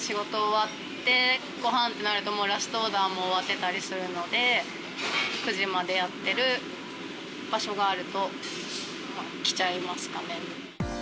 仕事終わって、ごはんってなると、もうラストオーダーも終わってたりするので、９時までやってる場所があると、来ちゃいますかね。